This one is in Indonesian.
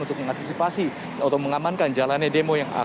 untuk mengantisipasi atau mengamankan jalan gatuh suburoto